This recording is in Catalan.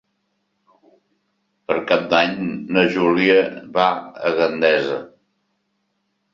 Per Cap d'Any na Júlia va a Gandesa.